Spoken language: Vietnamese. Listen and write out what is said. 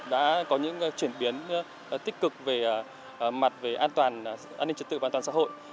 đã có những chuyển biến tích cực về mặt về an toàn an ninh trật tự và an toàn xã hội